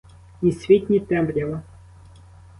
Ні світ, ні темрява.